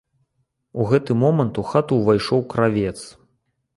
У гэты момант у хату ўвайшоў кравец.